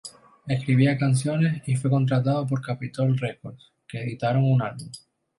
Escribía canciones, y fue contratado por Capitol Records, que editaron un álbum.